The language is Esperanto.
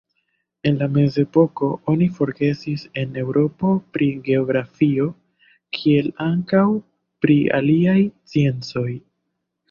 En la mezepoko oni forgesis en Eŭropo pri geografio, kiel ankaŭ pri aliaj sciencoj.